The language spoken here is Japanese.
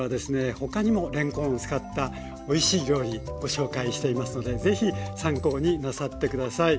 他にもれんこんを使ったおいしい料理ご紹介していますので是非参考になさって下さい。